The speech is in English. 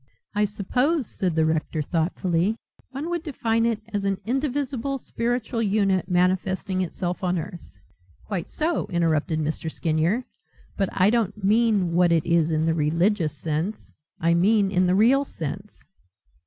"I suppose," said the rector thoughtfully, "one would define it as an indivisible spiritual unit manifesting itself on earth." "Quite so," interrupted Mr. Skinyer, "but I don't mean what it is in the religious sense: I mean, in the real sense."